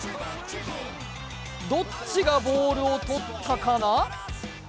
どっちがボールをとったかな？